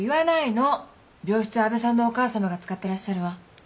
病室は安部さんのお母さまが使ってらっしゃるわ。